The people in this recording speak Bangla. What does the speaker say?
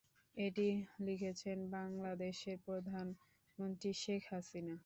এটি লিখেছেন বাংলাদেশের প্রধানমন্ত্রী শেখ হাসিনা।